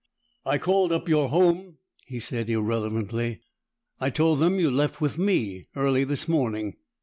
"I called up your home," he said irrelevantly. "I told them you left with me early this morning.